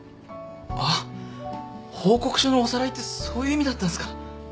あっ報告書のおさらいってそういう意味だったんすか。